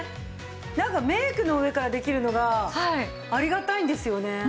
なんかメイクの上からできるのがありがたいんですよね。